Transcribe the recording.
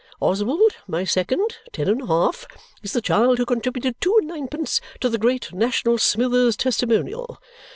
Oswald, my second (ten and a half), is the child who contributed two and nine pence to the Great National Smithers Testimonial.